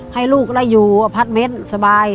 ให้ลูกได้อยู่อพัดเม้นสบาย